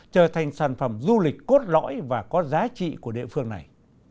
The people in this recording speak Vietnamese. trở thành sản phẩm du lịch cốt lõi và có giá trị của địa phương này